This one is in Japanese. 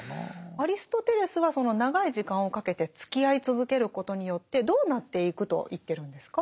アリストテレスはその長い時間をかけてつきあい続けることによってどうなっていくと言ってるんですか？